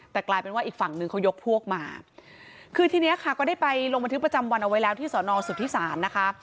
แต่กลายเป็นว่าอีกฝั่งหนึ่งเขายกพวกมาคือทีนี้ค่ะก็ได้ไปลงบันทึกประจำวันเอาไว้แล้วที่สอนอสุทธิศาลนะคะ